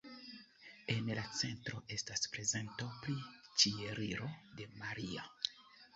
En la centro estas prezento pri Ĉieliro de Maria.